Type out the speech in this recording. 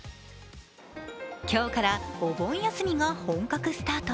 今日からお盆休みが本格スタート。